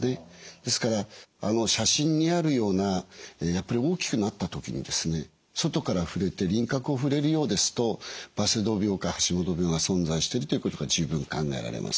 ですから写真にあるようなやっぱり大きくなった時にですね外から触れて輪郭を触れるようですとバセドウ病か橋本病が存在しているということが十分考えられます。